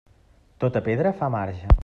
Tota pedra fa marge.